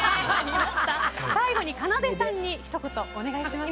最後にかなでさんにひと言、お願いします。